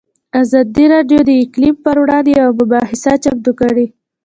ازادي راډیو د اقلیم پر وړاندې یوه مباحثه چمتو کړې.